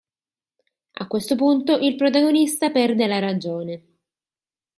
A questo punto il protagonista perde la ragione.